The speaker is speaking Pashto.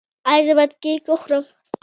ایا زه باید کیک وخورم؟